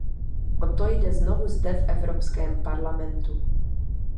O to jde znovu zde v Evropském parlamentu.